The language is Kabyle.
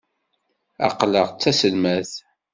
Ad qqleɣ d taselmadt.